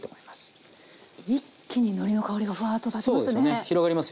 一気にのりの香りがふわっとたちますね。